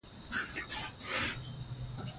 د خلکو غږ بدلون راولي